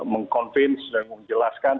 meng convince dan mengjelaskan